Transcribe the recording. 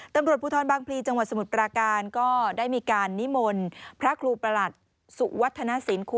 ตำรวจผู้ท้อนบางพลีจังหวัดสมุดประการก็ได้มีการนิหมลพระครูประหลัดสุขวัฒนศ